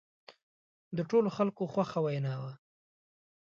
د ټولو خلکو خوښه وینا وه.